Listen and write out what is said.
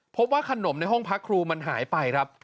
พบว่าขนมในห้องพักครูมันหายไปครับ